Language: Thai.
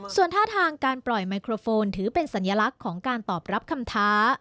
ส่วนท่าทางการปล่อยไมโครโฟนถือเป็นสัญลักษณ์ของการตอบรับคำท้า